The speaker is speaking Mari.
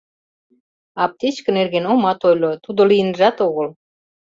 Аптечке нерген омат ойло, тудо лийынжат огыл.